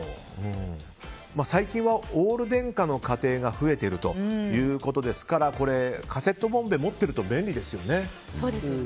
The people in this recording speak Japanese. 最近はオール電化の家庭が増えているということでカセットボンベを持っていると便利ですね。